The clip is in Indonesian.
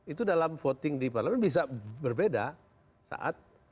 itu dalam voting di parlemen bisa berbeda saat